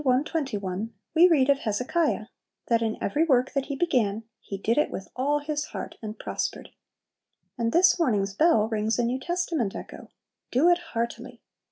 21, we read of Hezekiah, that "in every work that he began, he did it with all his heart, and prospered." And this morning's "bell" rings a New Testament echo, "Do it heartily!"